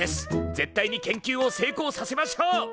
絶対に研究をせいこうさせましょう！